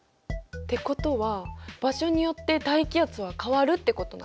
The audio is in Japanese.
ってことは場所によって大気圧は変わるってことなの？